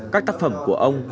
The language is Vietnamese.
các tác phẩm của ông